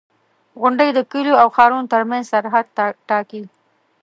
• غونډۍ د کليو او ښارونو ترمنځ سرحد ټاکي.